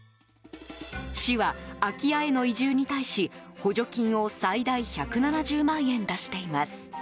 市は、空き家への移住に対し補助金を最大１７０万円出しています。